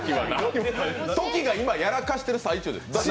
トキが今やらかしてる最中です。